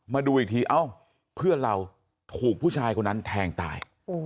มาดูอีกทีเอ้าเพื่อนเราถูกผู้ชายคนนั้นแทงตาย